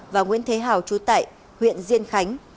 và nguyễn thế hảo chú tại huyện diên khánh